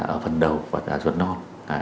ở phần đầu là ruột non